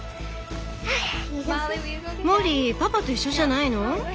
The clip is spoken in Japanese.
モリーパパと一緒じゃないの？